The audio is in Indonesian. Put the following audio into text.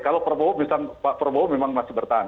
kalau pak prabowo memang masih bertahan